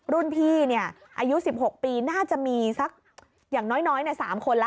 รุ่นพี่อายุ๑๖ปีน่าจะมีสักอย่างน้อย๓คนแล้ว